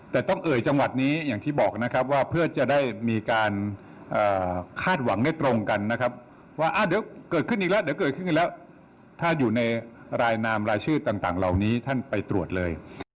แต่ต้องเอ่ยจังหวัดนี้อย่างที่บอกนะครับว่าเพื่อจะได้มีการคาดหวังได้ตรงกันนะครับว่าเดี๋ยวเกิดขึ้นอีกแล้วเดี๋ยวเกิดขึ้นอีกแล้วถ้าอยู่ในรายนามรายชื่อต่างเหล่านี้ท่านไปตรวจเลย